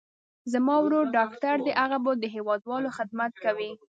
زما ورور ډاکټر دي، هغه به د هېوادوالو خدمت کوي.